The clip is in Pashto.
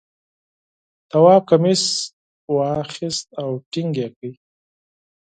تواب کمیس واخیست او ټینګ یې کړ.